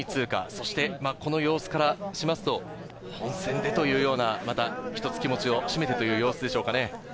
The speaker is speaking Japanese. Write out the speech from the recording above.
そしてこの様子からしますと本戦でというような、一つ気持ちを締めたという様子でしょうかね。